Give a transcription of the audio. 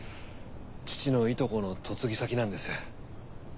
父のいとこの嫁ぎ先なんです。